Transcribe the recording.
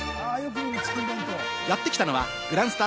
やってきたのはグランスタ